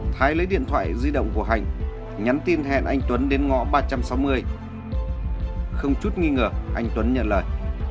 thái lấy điện thoại di động của hạnh nhắn tin hẹn anh tuấn đến ngõ ba trăm sáu mươi không chút nghi ngờ anh tuấn nhận lời